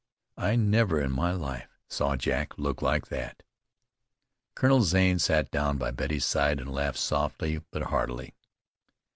I never in my life saw Jack look like that." Colonel Zane sat down by Betty's side and laughed softly but heartily.